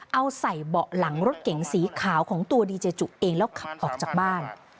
เอาใส่เบาะหลังรถเก๋งสีขาวของตัวดีเจจุเองแล้วขับออกจากบ้าน